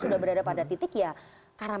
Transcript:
sudah berada pada titik ya karena